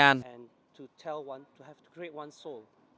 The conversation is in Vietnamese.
và để tạo nên một vợ diễn hoàn hảo